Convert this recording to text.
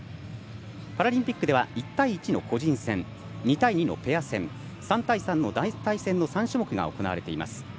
パラリンピックでは１対１の個人戦２対２のペア戦３対３の団体戦の３種目が行われています。